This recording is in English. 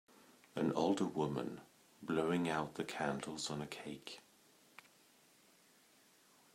An older woman, blowing out the candles on a cake.